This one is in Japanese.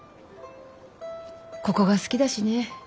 ここが好きだしね。